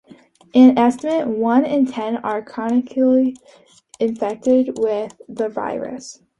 An estimated one in ten are chronically infected with the virus.